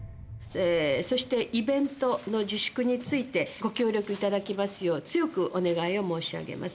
そしてイベントの自粛について、ご協力いただきますよう、強くお願いを申し上げます。